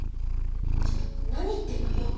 ちょっと何言ってんのよ。